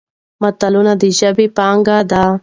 متلونه د ژبې پانګه ده.